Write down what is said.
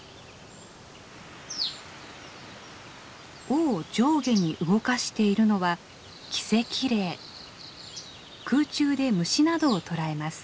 尾を上下に動かしているのは空中で虫などを捕らえます。